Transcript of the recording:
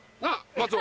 松尾！